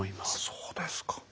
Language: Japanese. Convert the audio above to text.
そうですか。